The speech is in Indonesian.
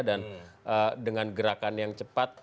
dan dengan gerakan yang cepat